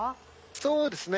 そうですね。